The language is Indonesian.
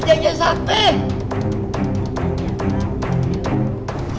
ini yang miejsce asal saya